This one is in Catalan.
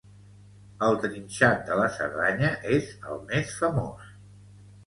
El trinxat de la Cerdanya és el més famòs